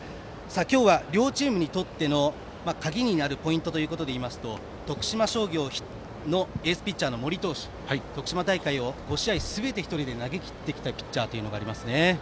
今日は両チームにとっての鍵になるポイントといいますと徳島商業のエースピッチャーの森投手は徳島大会を５試合すべて１人で投げきってきたピッチャーですね。